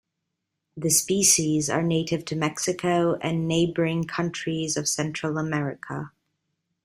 The species are native to Mexico and neighboring countries of Central America.